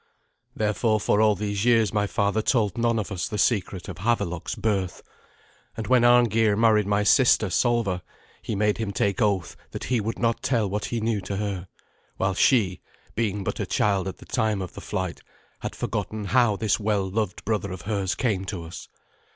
Therefore for all these years my father told none of us the secret of Havelok's birth; and when Arngeir married my sister Solva he made him take oath that he would not tell what he knew to her, while she, being but a child at the time of the flight, had forgotten how this well loved brother of hers came to us.